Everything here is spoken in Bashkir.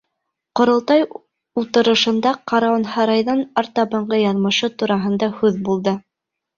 Ҡоролтай ултырышында Каруанһарайҙың артабанғы яҙмышы тураһында һүҙ булды.